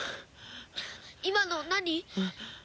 今の何？